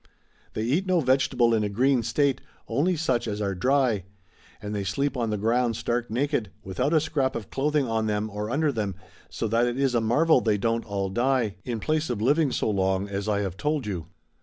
They eat no vegetable in a green state, only such as are dry. And they sleep on the ground stark naked, without a scrap of clothing on them or under them, so that it is a marvel they don't all die, in place of living so long as I have told you.